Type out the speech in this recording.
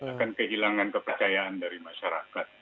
akan kehilangan kepercayaan dari masyarakat